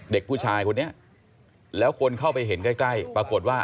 เด็กผู้ชายคนนี้แล้วคนเข้าไปเห็นใกล้ปรากฏว่า